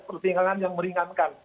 pertimbangan yang meringankan